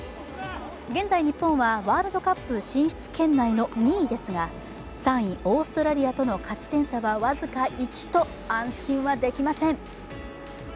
現在日本はワールドカップ進出圏内の２位ですが、３位オーストラリアとの勝ち点差は僅か１と安心はできません。